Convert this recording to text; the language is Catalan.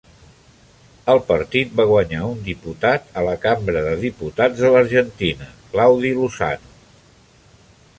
El partit va guanyar un diputat a la Cambra de Diputats de l'Argentina, Claudio Lozano.